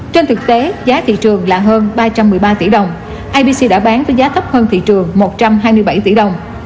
trên thực tế giá thị trường là hơn ba trăm một mươi ba tỷ đồng ipc đã bán với giá thấp hơn thị trường một trăm hai mươi bảy tỷ đồng